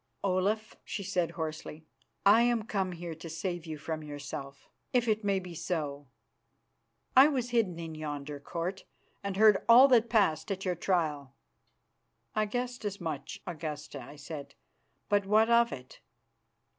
"Olaf," she said hoarsely, "I am come here to save you from yourself, if it may be so. I was hidden in yonder Court, and heard all that passed at your trial." "I guessed as much, Augusta," I said, "but what of it?"